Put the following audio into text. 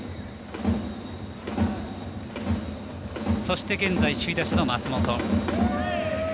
そして現在、首位打者の松本。